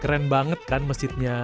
keren banget kan masjidnya